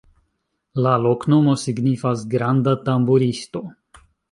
La loknomo signifas: granda-tamburisto.